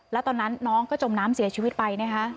แล้วตอนนั้นน้องก็จมน้ำเสียชีวิตไปนะคะ